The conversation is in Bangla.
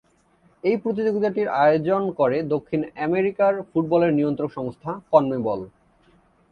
এই প্রতিযোগিতাটির আয়োজন করে দক্ষিণ আমেরিকার ফুটবলের নিয়ন্ত্রক সংস্থা 'কনমেবল'।